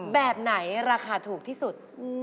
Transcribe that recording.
แบบไหนราคาถูกที่สุด